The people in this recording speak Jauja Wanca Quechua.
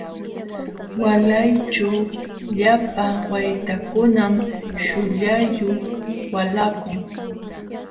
Waalayćhu llapa waytakunam shullayuq waalapaakun.